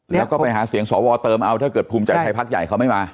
แล้วก็ไปหาเสียงสวเติมเอาถ้าเกิดภูมิใจไทยพักใหญ่เขาไม่มา